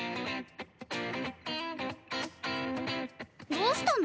どうしたの？